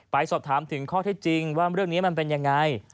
สอบถามถึงข้อเท็จจริงว่าเรื่องนี้มันเป็นยังไง